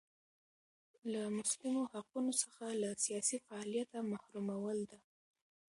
له مسلمو حقونو څخه له سیاسي فعالیته محرومول ده.